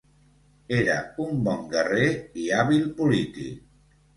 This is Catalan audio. Era un bon guerrer i hàbil polític.